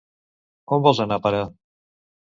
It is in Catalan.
On vols anar a parar?